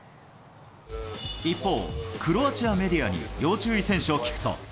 一方、クロアチアメディアに要注意選手を聞くと。